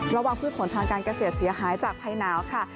ระวังผู้ผลทางการเกษตรเสียหายจากภายหนาวค่ะ